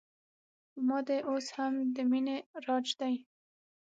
په ما دې اوس هم د مینې راج دی